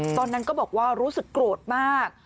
ตอนนั้นก็บอกว่ารู้สึกโกรธมาก